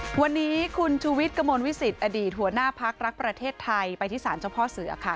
วันนี้คุณชูวิทย์กระมวลวิสิตอดีตหัวหน้าพักรักประเทศไทยไปที่ศาลเจ้าพ่อเสือค่ะ